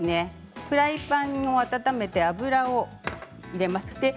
フライパンを温めて油を入れます。